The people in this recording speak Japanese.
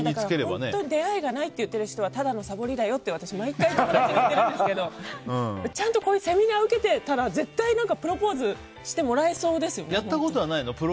本当に出会いがないって言ってる人はただのさぼりだよって毎回、友達に言ってるんですけどちゃんとセミナーを受けてたら絶対プロポーズをやったことはないの？